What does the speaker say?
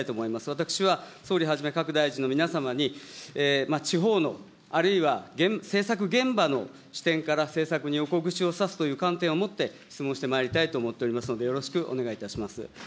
私は総理はじめ、各大臣の皆様に、地方の、あるいは政策現場の視点から政策に横串を刺すという観点から、質問してまいりたいと思っておりますので、よろしくお願いいたします。